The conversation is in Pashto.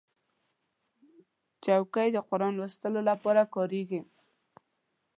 چوکۍ د قرآن لوستلو لپاره کارېږي.